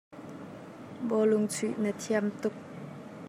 Bawlung chuih na thiam tuk.